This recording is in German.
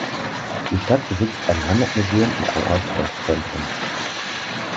Die Stadt besitzt ein Heimatmuseum und ein Ausstellungszentrum.